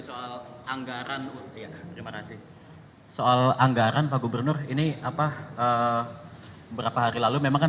soal anggaran terima kasih soal anggaran pak gubernur ini apa beberapa hari lalu memang kan